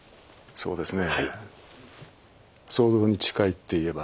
そうですか。